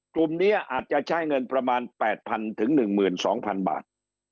กลุ่มนี้อาจจะใช้เงินประมาณ๘๐๐๐ถึง๑๒๐๐๐บาท